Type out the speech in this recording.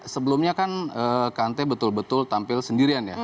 sebelumnya kan kante betul betul tampil sendirian ya